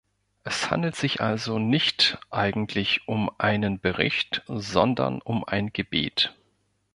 Es handelt sich also nicht eigentlich um einen Bericht, sondern um ein Gebet.